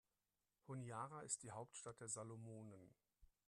Honiara ist die Hauptstadt der Salomonen.